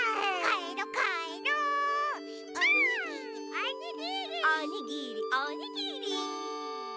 おにぎりおにぎり！